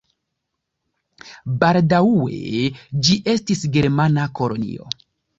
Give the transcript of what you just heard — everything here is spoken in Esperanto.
Baldaŭe ĝi estis germana kolonio.